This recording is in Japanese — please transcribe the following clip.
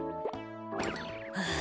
はあ。